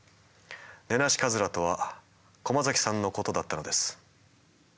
ネナシカズラとは駒崎さんのことだったのです。